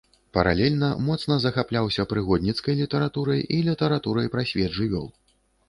Паралельна моцна захапляўся прыгодніцкай літаратурай і літаратурай пра свет жывёл.